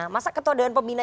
masa ketua doan pembina